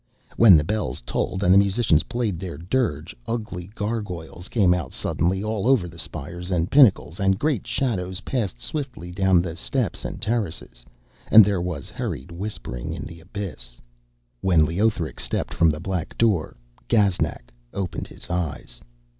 When the bells tolled and the musicians played their dirge, ugly gargoyles came out suddenly all over the spires and pinnacles, and great shadows passed swiftly down the steps and terraces, and there was hurried whispering in the abyss. When Leothric stepped from the black door, Gaznak opened his eyes.